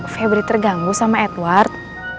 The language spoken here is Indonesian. febri terganggu sama edward